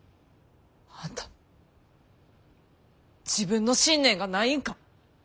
あんた自分の信念がないんか。